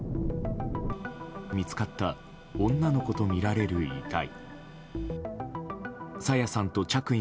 見つかった女の子とみられる遺体。